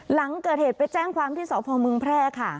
หลังเกิดเหตุไปแจ้งความที่สพมแพร่ค่ะ